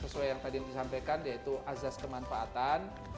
sesuai yang tadi yang disampaikan yaitu azas kemanfaatan